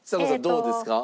どうですか？